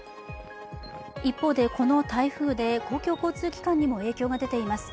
一方でこの台風で公共交通機関にも影響が出ています。